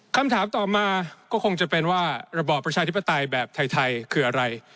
คำถามต่อมาก็คงจะเป็นว่าระบอบประชาธิปไตยแบบไทยคืออะไร